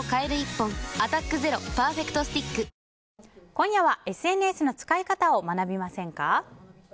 今夜はＳＮＳの使い方を学びませんか？